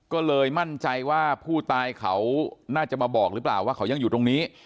ก็เลยมั่นใจว่าผู้ตายเขาน่าจะมาบอกหรือเปล่าว่าเขายังอยู่ตรงนี้